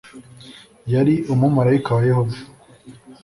yari umumarayika wa yehova